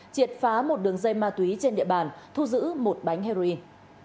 triệt phá một đường dây ma túy trên địa bàn thu giữ một bánh heroin